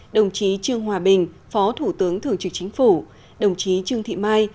đồng chí trương hòa bình phó thủ tướng thường trực chính phủ đồng chí trương thị mai